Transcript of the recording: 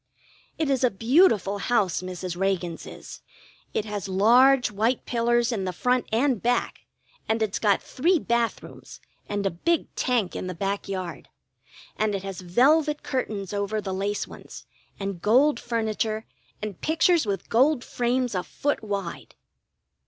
It is a beautiful house, Mrs. Reagan's is. It has large white pillars in the front and back, and it's got three bath rooms, and a big tank in the back yard. And it has velvet curtains over the lace ones, and gold furniture and pictures with gold frames a foot wide.